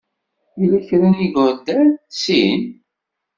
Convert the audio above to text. Yella kra n yigerdan? Sin.